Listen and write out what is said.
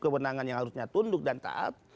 kewenangan yang harusnya tunduk dan taat